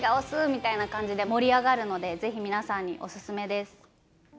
みたいな感じで盛り上がるので、ぜひ皆さんにお勧めです。